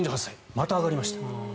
また上がりました。